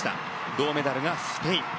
銅メダルがスペイン。